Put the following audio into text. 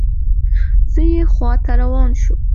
زه یې خواته روان شوم.